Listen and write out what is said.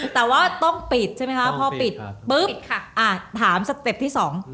แต่ว่าต้องปิดใช่ไหมคะพอปิดปุ๊บอ่ะถามสเต็ปที่สอง